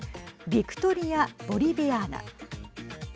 ビクトリア・ボリビアーナ。